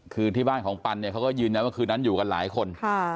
คือนี่ที่บ้านของปันเขาก็ยืนบนคืนนั้นอยู่กันหลายคน